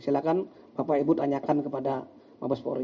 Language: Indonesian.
silahkan bapak ibu tanyakan kepada bapak kapolri